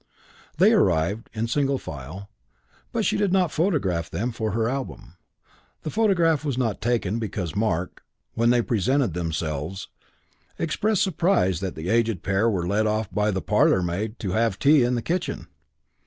They arrived, in single file, but she did not photograph them for her album. The photograph was not taken because Mark, when they presented themselves, expressed surprise that the aged pair were led off by the parlour maid to have tea in the kitchen.